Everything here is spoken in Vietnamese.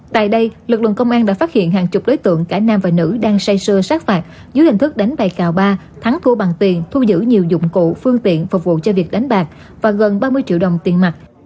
tại đây lực lượng công an đã phát hiện hàng chục đối tượng cả nam và nữ đang say sư sát phạt dưới hình thức đánh bày cào ba thắng thua bằng tiền thu giữ nhiều dụng cụ phương tiện phục vụ cho việc đánh bạc và gần ba mươi triệu đồng tiền mặt